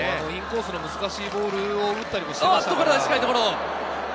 インコースの難しいボールを打っていましたから。